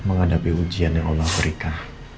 menghadapi ujian yang allah berikan